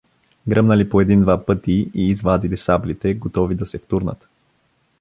Гръмнали по един-два пъти и извадили саблите, готови да се втурнат.